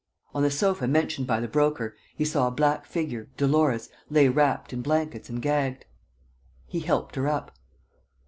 On the sofa mentioned by the Broker he saw a black figure, Dolores lay wrapped in blankets and gagged. He helped her up.